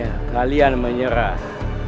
hanya kalian menyerah